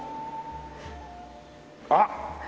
あっ！